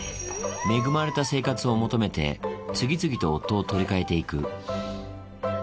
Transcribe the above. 恵まれた生活を求めて、次々と夫を取り替えていく。